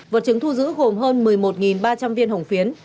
vật chứng thu giữ gồm hơn một mươi một ba trăm linh viên hồng phiến